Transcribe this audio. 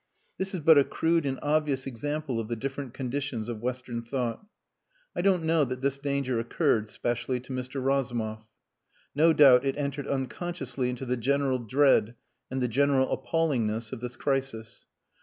This is but a crude and obvious example of the different conditions of Western thought. I don't know that this danger occurred, specially, to Mr. Razumov. No doubt it entered unconsciously into the general dread and the general appallingness of this crisis.